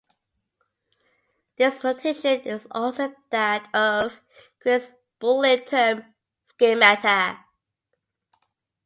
This notation is also that of Quine's Boolean term schemata.